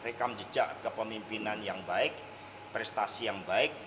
rekam jejak kepemimpinan yang baik prestasi yang baik